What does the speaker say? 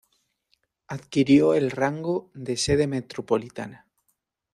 Adquirió el rango de sede metropolitana.